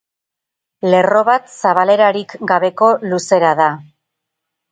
Lerro bat zabalerarik gabeko luzera da.